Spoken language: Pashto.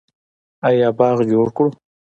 آیا باغ جوړ کړو؟